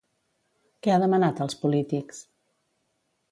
Què ha demanat als polítics?